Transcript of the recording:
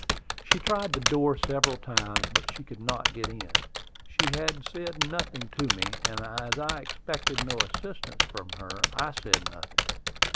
She tried the door several times, but she could not get in. She said nothing to me; and as I expected no assistance from her, I said nothing.